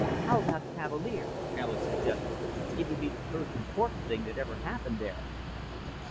"How about Cavalier?" Alis suggested. "It would be the first important thing that ever happened there."